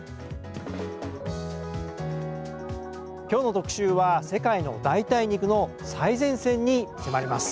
きょうの特集は世界の代替肉の最前線に迫ります。